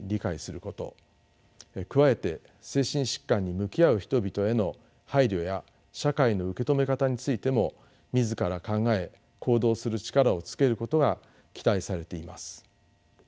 加えて精神疾患に向き合う人々への配慮や社会の受け止め方についても自ら考え行動する力をつけることが期待されています。